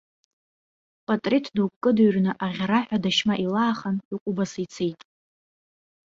Патреҭ дук кыдыҩрны аӷьараҳәа адашьма илаахан, иҟәыбаса ицеит.